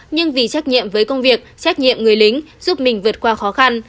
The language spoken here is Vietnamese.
nhưng vì trách nhiệm với công việc trách nhiệm người lính giúp mình vượt qua khó khăn